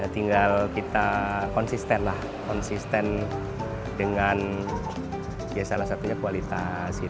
tinggal kita konsisten lah konsisten dengan ya salah satunya kualitas